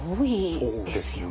そうですね。